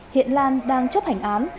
hiện lan đang chấp hành án